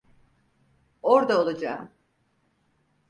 Orda olacağım.